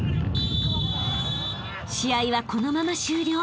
［試合はこのまま終了。